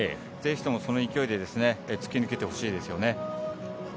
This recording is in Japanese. ぜひともその勢いで突き抜けてほしいですよね。